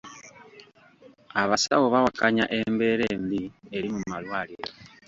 Abasawo bawakanya embeera embi eri mu malwaliro.